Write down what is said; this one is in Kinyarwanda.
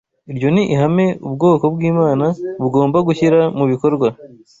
Iryo ni ihame ubwoko bw’Imana bugomba gushyira mu bikorwa,